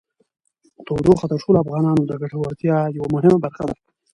تودوخه د ټولو افغانانو د ګټورتیا یوه مهمه برخه ده.